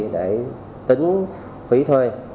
để tính phí thuê